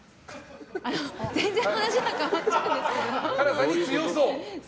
あの、全然話が変わっちゃうんですけど。